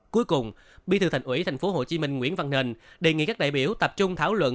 cuối cùng bí thư thành ủy tp hcm nguyễn văn nền đề nghị các đại biểu tập trung thảo luận